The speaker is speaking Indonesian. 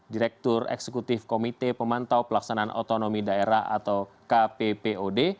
direktur eksekutif komite pemantau pelaksanaan otonomi daerah atau kppod